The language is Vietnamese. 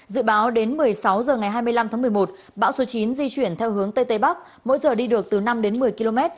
dự báo đến một mươi sáu h ngày hai mươi năm tháng một mươi một bão số chín di chuyển theo hướng tây tây bắc mỗi giờ đi được từ năm đến một mươi km